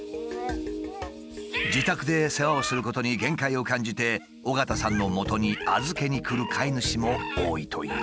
自宅で世話をすることに限界を感じて緒方さんのもとに預けにくる飼い主も多いという。